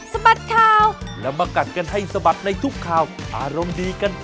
สวัสดีค่ะ